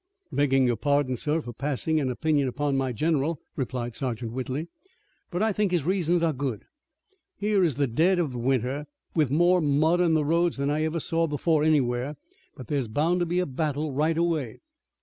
"Beggin' your pardon, sir, for passin' an opinion upon my general," replied Sergeant Whitley, "but I think his reasons are good. Here it is the dead of winter, with more mud in the roads than I ever saw before anywhere, but there's bound to be a battle right away.